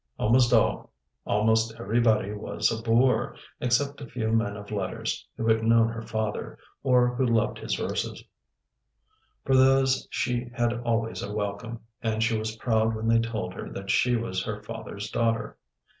Almost everybody was a bore; except a few men of letters, who had known her father, or who loved his verses. For those she had always a welcome; and she was proud when they told her that she was her father's daughter.